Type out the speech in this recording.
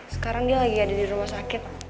sekarang dia lagi ada di rumah sakit